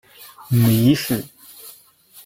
母伊氏。